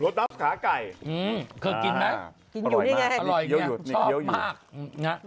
คุณกินไหมฮะชอบมากอร่อยอยู่นี่อยู่